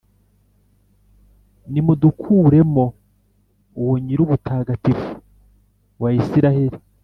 nimudukuremo Uwo Nyirubutagatifu wa Israheli.»